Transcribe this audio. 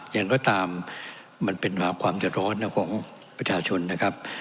ยังก็ตามมันเป็นหากวามจะร้อนของประชาชนนะครับ